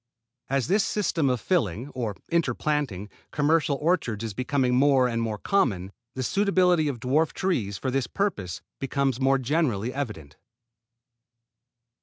As this system of filling, or interplanting, commercial orchards is becoming more and more common, the suitability of dwarf trees, for this purpose, becomes more generally evident.